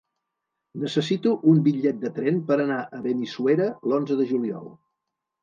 Necessito un bitllet de tren per anar a Benissuera l'onze de juliol.